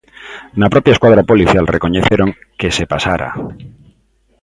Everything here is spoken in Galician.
Na propia escuadra policial recoñeceron que se pasara.